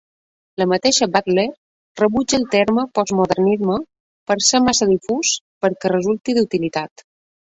La mateixa Butler rebutja el terme "postmodernisme" per ser massa difús perquè resulti d'utilitat.